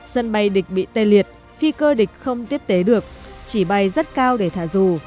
sân bay địch bị tê liệt phi cơ địch không tiếp tế được chỉ bay rất cao để thả dù